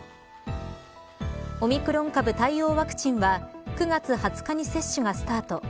オミクロン株対応ワクチンは９月２０日に接種がスタート。